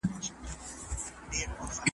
له پروازه وه لوېدلي شهپرونه .